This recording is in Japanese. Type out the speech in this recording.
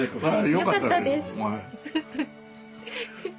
よかったです。